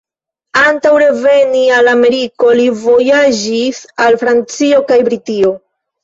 Antaŭ reveni al Ameriko, li vojaĝis al Francio kaj Britio.